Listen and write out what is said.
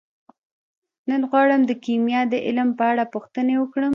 نن غواړم د کیمیا د علم په اړه پوښتنې وکړم.